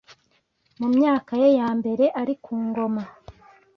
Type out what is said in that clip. mu myaka ye ya mbere ari ku ngoma